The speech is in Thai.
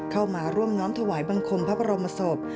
เข้ามาร่วมน้อมถวายบังคมพระบรมศพ